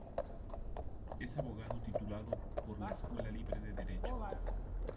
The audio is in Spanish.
Es abogado titulado por la Escuela Libre de Derecho.